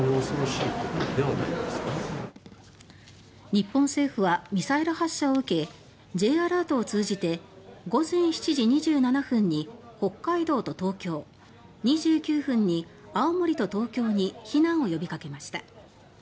日本政府はミサイル発射を受けＪアラートを通じて午前７時２７分に北海道と東京２９分に青森と東京に避難を呼びかけました。